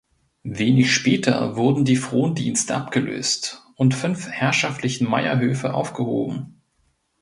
Wenig später wurden die Frondienste abgelöst und fünf herrschaftlichen Meierhöfe aufgehoben.